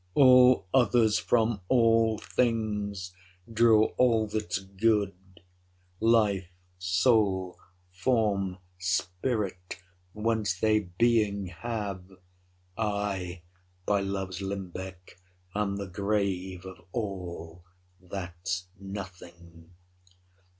All others, from all things, draw all that's good, Life, soule, forme, spirit, whence they beeing have; 20 I, by loves limbecke, am the grave Of all, that's nothing.